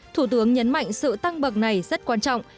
thủ tướng nhấn mạnh sự tăng bậc này rất quan trọng